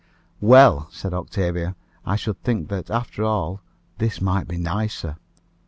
"Well," said Octavia, "I should think that, after all, this might be nicer."